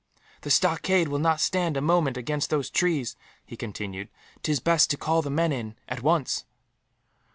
"The stockade will not stand a moment against those trees," he continued. "'Tis best to call the men in, at once."